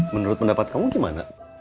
menurut pendapat kamu gimana